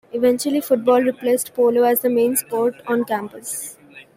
Eventually, football replaced polo as the main sport on campus.